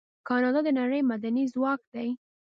کاناډا د نړۍ معدني ځواک دی.